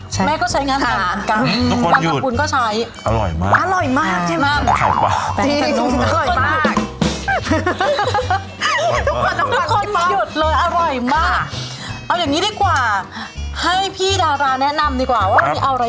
ใช่ต้องใช้